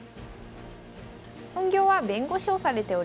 本業は弁護士をされております。